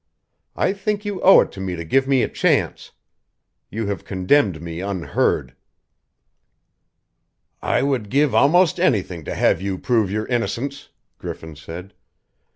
I think you owe it to me to give me a chance. You have condemned me unheard." "I would give almost anything to have you prove your innocence," Griffin said.